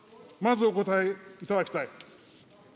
まずお答えいただきたい。